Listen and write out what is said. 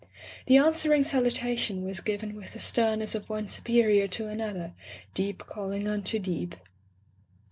The an swering salutation was given with the stern ness of one superior to another — deep calling unto deep.